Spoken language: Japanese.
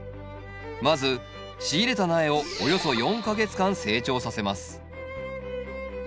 まず仕入れた苗をおよそ４か月間成長させます。